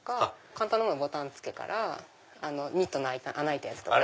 簡単なものはボタンつけからニットの穴開いたやつとか。